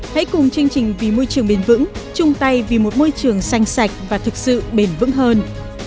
hãy cùng chương trình vì môi trường bền vững chung tay vì một môi trường xanh sạch và thực sự bền vững hơn